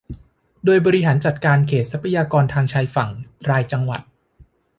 โดยบริหารจัดการเขตทรัพยากรทางทะเลชายฝั่งรายจังหวัด